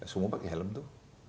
semua pakai helm tuh